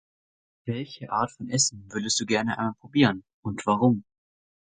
Welche Art von Essen würdest Du gerne einmal probieren und warum?